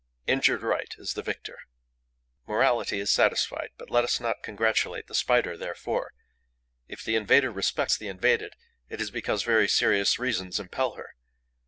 Injured right is the victor. Morality is satisfied; but let us not congratulate the Spider therefore. If the invader respects the invaded, it is because very serious reasons impel her.